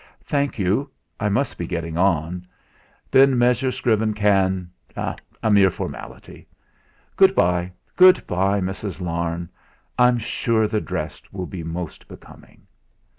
"Thank you; I must be getting on. Then Messrs. Scriven can a mere formality! Goodbye! Good bye, Miss Larne. I'm sure the dress will be most becoming."